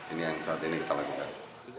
ini yang saat ini kita lakukan